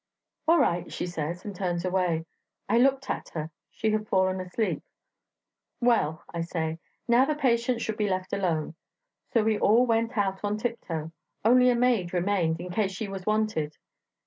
'All right,' she says, and turns away. I looked at her; she had fallen asleep. 'Well,' I say, 'now the patient should be left alone.' So we all went out on tiptoe; only a maid remained, in case she was wanted.